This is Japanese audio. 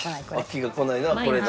飽きがこないのはこれだ。